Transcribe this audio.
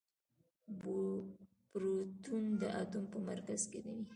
پروتون د اتوم په مرکز کې وي.